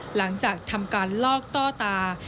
หลังจากทำการลอกต้อตา